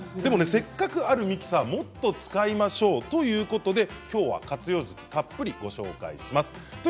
せっかくあるミキサーもっと使いましょうということで、きょうは活用術たっぷりご紹介します。